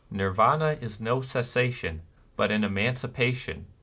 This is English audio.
Nirvana is no cessation, but an emancipation.